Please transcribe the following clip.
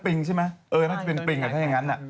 ปริงใช่ไหมเออเป็นปริงแหละถ้าอย่างงั้น